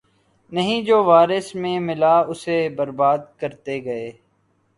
نہیں‘ جو وراثت میں ملا اسے بربادکرتے گئے۔